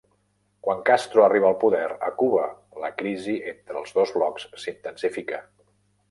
Quan Castro arriba al poder a Cuba la crisi entre els dos blocs s'intensifica.